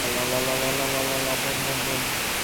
নাঃ, তেমন কোনো ব্যামো হলে খবর পাওয়া যেত।